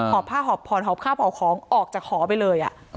หอพ่าหอพรหอพ่าพ่อของออกจากหอไปเลยอ่ะ